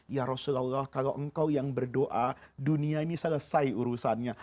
ya rasulullah kalau engkau yang berdoa dunia ini selesai urusannya